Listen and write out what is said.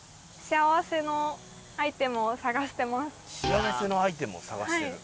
幸せのアイテムを探してる？